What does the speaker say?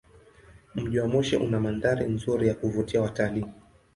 Mji wa Moshi una mandhari nzuri ya kuvutia watalii.